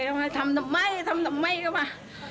ว่าทำทำไมทำทำไมก็มา